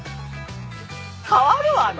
変わるわね